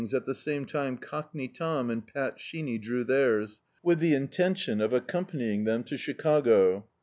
at the same time Cockney Tom and Pat Sheeny drew theirs, with the intention of accompanying them to Chicago.